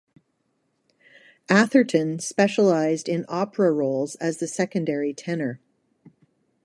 Atherton specialized in opera roles as the secondary tenor.